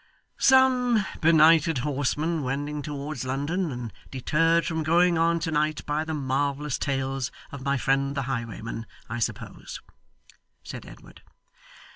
'Some benighted horseman wending towards London, and deterred from going on to night by the marvellous tales of my friend the highwayman, I suppose,' said Edward.